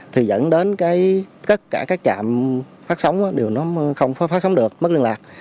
thì dẫn đến tất cả các trạm phát sóng đều nó không phát sóng được mất liên lạc